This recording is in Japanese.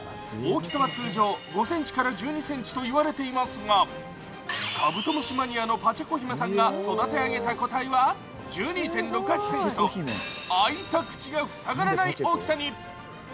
大きさは通常５ｃｍから１５ｃｍと言われていますが、カブトムシマニアのパチェコ姫さんが育て上げた個体は１２．６８ｃｍと開いた口が塞がらない大きさに。